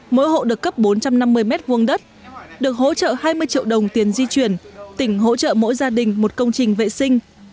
mỗi hộ được cấp bốn trăm năm mươi m hai đất được hỗ trợ hai mươi triệu đồng tiền di chuyển tỉnh hỗ trợ mỗi gia đình một công trình vệ sinh